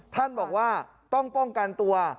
ท่านบอกว่าต้องป้องกันตัว